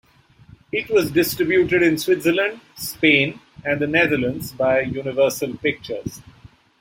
It was distributed in Switzerland, Spain, and the Netherlands by Universal Pictures.